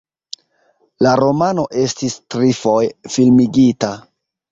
La romano estis trifoje filmigita.